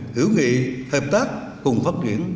hiểu nghị hợp tác cùng phát triển